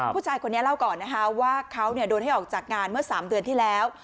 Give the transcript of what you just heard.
ผู้ชายคนนี้เล่าก่อนนะคะว่าเขาโดนให้ออกจากงานเมื่อ๓เดือนที่แล้ว